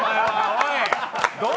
おい！